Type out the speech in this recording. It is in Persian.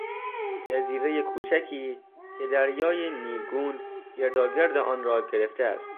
جزیرهی کوچکی که دریای نیلگون گرداگرد آن را گرفته است